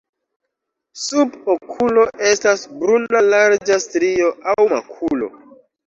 Sub okulo estas bruna larĝa strio aŭ makulo.